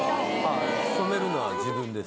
染めるのは自分です。